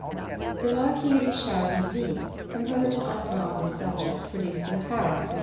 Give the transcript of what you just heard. The +Marquis Richard d'Ivry+ composed an opera on this subject, produced in Paris in 1878.